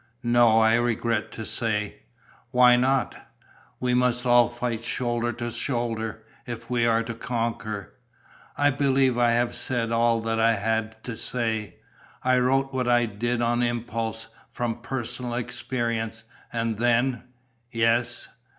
"No, I regret to say." "Why not? We must all fight shoulder to shoulder, if we are to conquer." "I believe I have said all that I had to say. I wrote what I did on impulse, from personal experience. And then ..." "Yes?"